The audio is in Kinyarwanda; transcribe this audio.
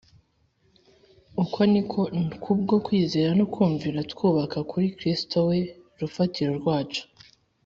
uko ni nako kubwo kwizera no kumvira, twubaka kuri kristo we rufatiro rwacu